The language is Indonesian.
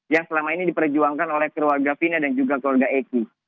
yang selama ini diperjuangkan oleh keluarga vina dan juga keluarga eki